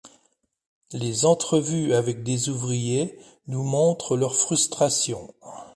Les entrevues avec des ouvriers nous montrent leurs frustrations.